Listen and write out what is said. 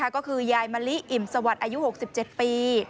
ก็คือยายมะลิอิ่มสวัสดิ์อายุ๖๗ปี